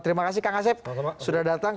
terima kasih kang asep sudah datang